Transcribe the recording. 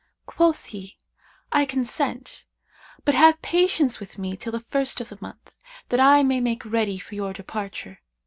Quoth he, 'I consent; but have patience with me till the first of the month, that I may make ready for your departure.'